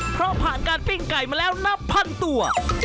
เพราะผ่านการปิ้งไก่มาแล้วนับพันตัว